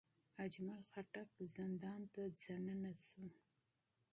اجمل خټک زندان ته داخل شو.